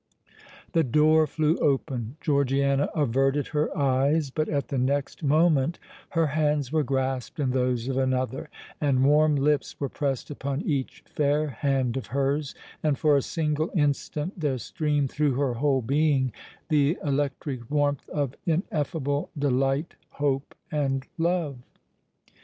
The door flew open: Georgiana averted her eyes;—but at the next moment her hands were grasped in those of another, and warm lips were pressed upon each fair hand of hers—and for a single instant there streamed through her whole being the electric warmth of ineffable delight, hope, and love!